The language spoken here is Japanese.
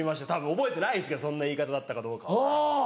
覚えてないんですけどそんな言い方だったかどうかは。